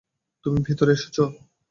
তুমি ভিতরে এসেছো?